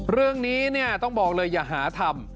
เรื่องนี้เนี่ยต้องบอกเลยอย่าหาทำ